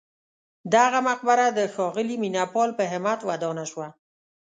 دغه مقبره د ښاغلي مینه پال په همت ودانه شوه.